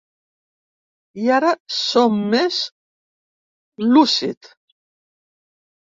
I ara som més lúcid!